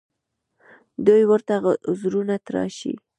دوی ورته عذرونه تراشي